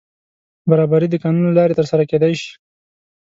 برابري د قانون له لارې تر سره کېدای شي.